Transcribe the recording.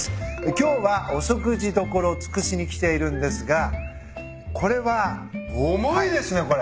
今日は御食事処つくしに来ているんですがこれは重いですねこれ。